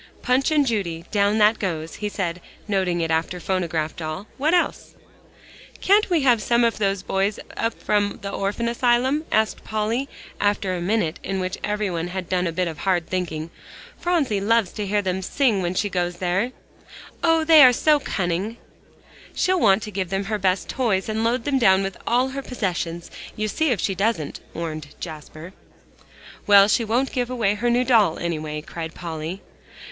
"'Punch and Judy,' down that goes," he said, noting it after "phonograph doll." "What else?" "Can't we have some of those boys up from the Orphan Asylum?" asked Polly, after a minute in which everybody had done a bit of hard thinking. "Phronsie loves to hear them sing when she goes there. Oh! they are so cunning." "She'll want to give them her best toys and load them down with all her possessions. You see if she doesn't," warned Jasper. "Well, she won't give away her new doll, anyway," cried Polly.